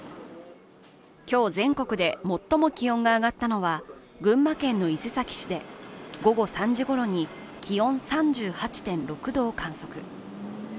今日、全国で最も気温が上がったのは、群馬県の伊勢崎市で、午後３時ごろに気温３８．６度を観測。